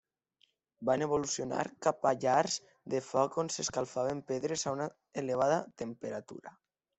Van evolucionar cap a llars de foc on s'escalfaven pedres a una elevada temperatura.